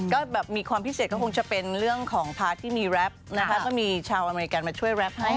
ก็แบบมีความพิเศษก็คงจะเป็นเรื่องของพาร์ทที่มีแรปนะคะก็มีชาวอเมริกันมาช่วยแรปให้